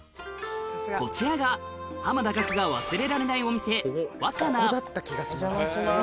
こちらが濱田岳が忘れられないお店お邪魔します。